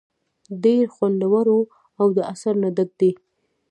ډېر خوندور او د اثر نه ډک دے ۔